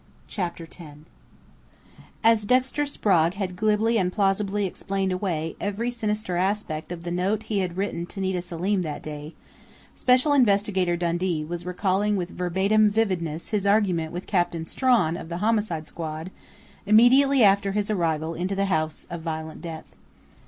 CHAPTER TEN As Dexter Sprague had glibly and plausibly explained away every sinister aspect of the note he had written to Nita Selim that day, Special Investigator Dundee was recalling with verbatim vividness his argument with Captain Strawn of the Homicide Squad immediately after his arrival into the house of violent death.